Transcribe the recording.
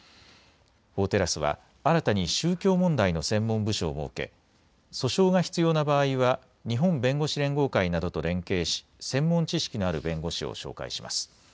法テラスは、新たに宗教問題の専門部署を設け、訴訟が必要な場合は日本弁護士連合会などと連携し、専門知識のある弁護士を紹介します。